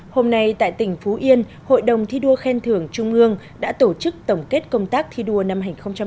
hôm nay tại tỉnh phú yên hội đồng thi đua khen thưởng trung ương đã tổ chức tổng kết công tác thi đua năm hai nghìn một mươi chín